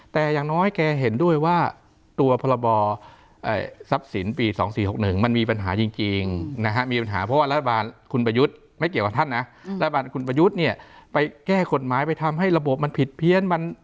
แต่อย่างน้อยแกเห็นด้วยว่าตัวพลบทรัพย์สินปี๒๔๖๑